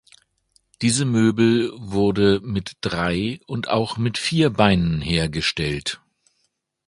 Diese Möbel wurde mit drei und auch mit vier Beinen hergestellt.